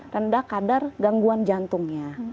rendah kadar gangguan jantungnya